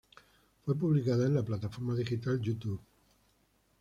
Fue publicada en la plataforma digital YouTube.